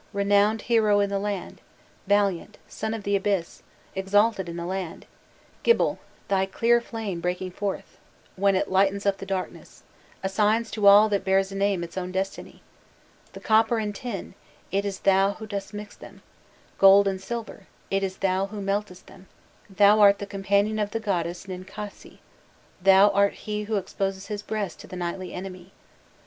"Gibil, renowned hero in the land, valiant, son of the Abyss, exalted in the land, Gibil, thy clear flame, breaking forth, when it lightens up the darkness, assigns to all that bears a name its own destiny. The copper and tin, it is thou who dost mix them, gold and silver, it is thou who meltest them, thou art the companion of the goddess Ninkasi thou art he who exposes his breast to the nightly enemy!